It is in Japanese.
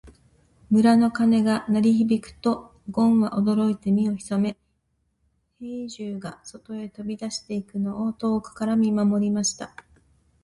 村の鐘が鳴り響くと、ごんは驚いて身を潜め、兵十が外へ飛び出していくのを遠くから見守りました。